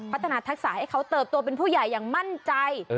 ทักษะให้เขาเติบโตเป็นผู้ใหญ่อย่างมั่นใจ